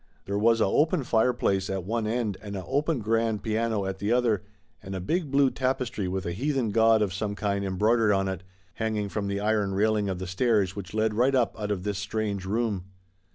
There was a open fireplace at one end and a open grand piano at the other, and a big blue tapestry with a heathen god of some kind embroidered on it, hanging from the iron railing of the stairs which led right up out of this strange room.